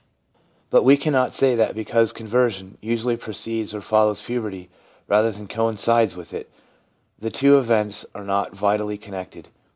But we cannot say that because conversion usually precedes or follows puberty, rather than coincides with it, the two events are not vitally connected.